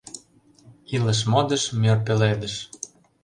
Илыш — модыш, мӧр пеледыш!